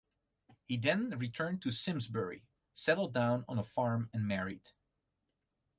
He then returned to Simsbury, settled down on a farm and married.